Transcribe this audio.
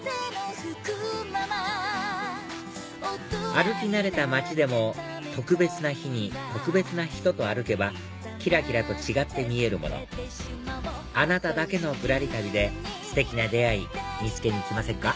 歩き慣れた街でも特別な日に特別な人と歩けばキラキラと違って見えるものあなただけのぶらり旅でステキな出会い見つけに行きませんか？